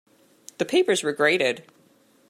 The papers were graded.